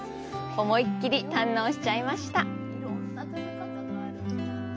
思いっきり堪能しちゃいました。